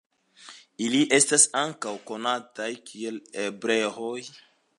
Ili estas ankaŭ konataj kiel hebreoj.